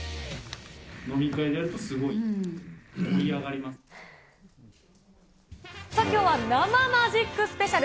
飲み会でやるとすごい盛り上さあ、きょうは生マジックスペシャル。